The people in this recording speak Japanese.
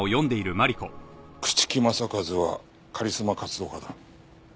朽木政一はカリスマ活動家だ。